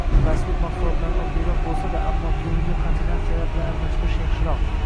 Fast-fud mashulotlarni oddiyroq bo‘lsa-da, ammo to‘yimli kombinatsiyalar bilan almashtirish yaxshiroq